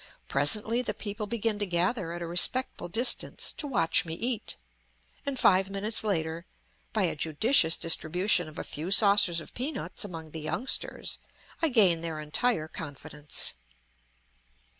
Presently the people begin to gather at a respectful distance to watch me eat, and five minutes later, by a judicious distribution of a few saucers of peanuts among the youngsters, I gain their entire confidence.